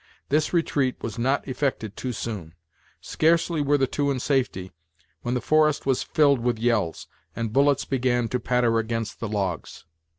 This retreat was not effected too soon. Scarcely were the two in safety, when the forest was filled with yells, and bullets began to patter against the logs.